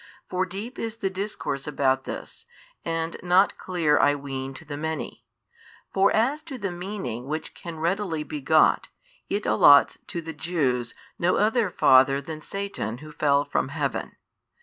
For deep is the discourse about this, and not clear I ween to the many. For as to the meaning which can readily be got, it allots |651 to the Jews no other father than Satan who fell from heaven.